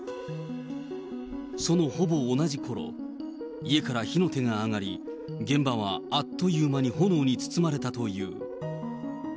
そのほぼ同じころ、家から火の手が上がり、現場はあっという間に炎に包まれたという。